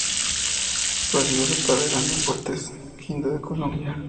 Prosiguió su carrera en Deportes Quindío de Colombia.